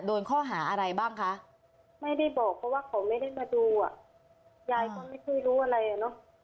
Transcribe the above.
โดนข้อหาอะไรบ้างคะไม่ได้บอกเพราะว่าเขาไม่ได้มาดูอ่ะยายก็ไม่เคยรู้อะไรอ่ะเนอะ